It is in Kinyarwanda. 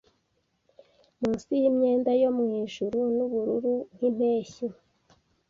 munsi yimyenda yo mwijuru nubururu nkimpeshyi